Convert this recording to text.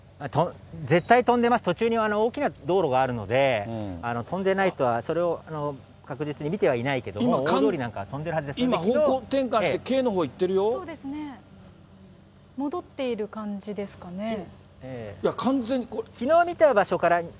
絶対飛んでます、途中に大きな道路があるので、飛んでないと、それを確実には見てはいないけども大通りなんかは飛んでるはずで今、方向転換して、軽のほうそうですね、戻ってる感じで完全に。